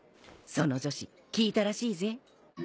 その女子聞いたらしいぜ。